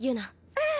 うん。